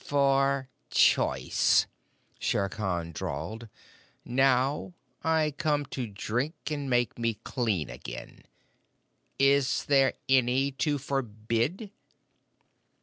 "For choice," Shere Khan drawled. "Now come I to drink and make me clean again. Is there any to forbid?"